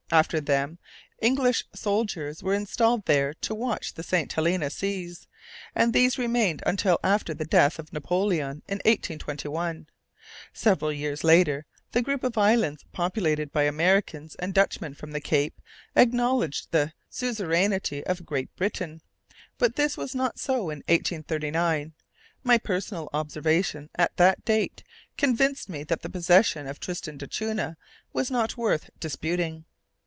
After them, English soldiers were installed there to watch the St. Helena seas, and these remained until after the death of Napoleon, in 1821. Several years later the group of islands populated by Americans and Dutchmen from the Cape acknowledged the suzerainty of Great Britain, but this was not so in 1839. My personal observation at that date convinced me that the possession of Tristan d'Acunha was not worth disputing.